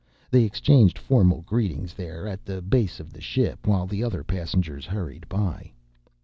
They exchanged formal greetings there at the base of the ship, while the other passengers hurried by.